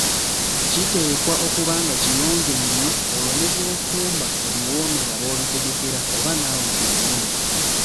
Kiteekwa okuba nga kiyonjo nnyo olwo ne by'ofumba lwe biwoomera b‘obitegekera oba naawe kennyini.